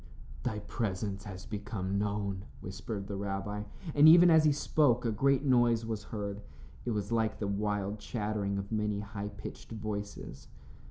"Thy presence has become known," whispered the rabbi, and even as he spoke a great noise was heard. It was like the wild chattering of many high pitched voices.